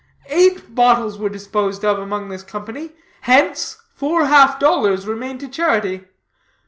Eight bottles were disposed of among this company. Hence, four half dollars remain to charity.